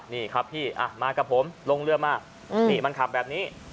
นี่ครับพี่มากับผมลงเรือมานี่มันขับแบบนี้